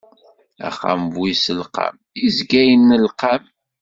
Axxam bu iselqam, izga innelqam.